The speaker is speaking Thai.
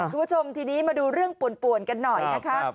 คุณผู้ชมทีนี้มาดูเรื่องป่วนกันหน่อยนะคะ